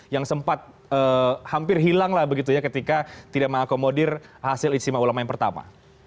yang sempat hampir hilanglah begitu ya ketika tidak mengakomodir hasil icima ulama yang pertama